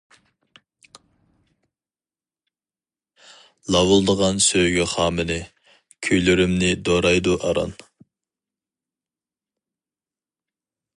لاۋۇلدىغان سۆيگۈ خامىنى، كۈيلىرىمنى دورايدۇ ئاران.